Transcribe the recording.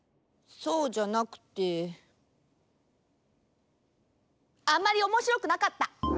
そうじゃなくてあんまりおもしろくなかった。